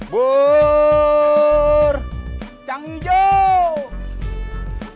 pur cang hijau